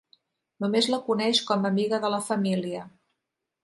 Només la coneix com a amiga de la família.